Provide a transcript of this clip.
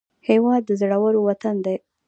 هېواد د زړورو وطن دی